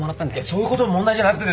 そういうことは問題じゃなくて。